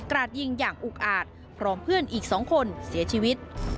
ราดยิงอย่างอุกอาจพร้อมเพื่อนอีก๒คนเสียชีวิต